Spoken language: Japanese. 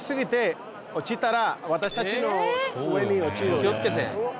気をつけて。